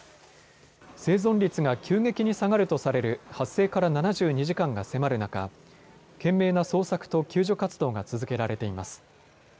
生存率が急激に下がるとされる発生から７２時間が迫る中、懸命な捜索と救助活動が続けられています。